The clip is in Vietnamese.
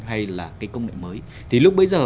hay là cái công nghệ mới thì lúc bây giờ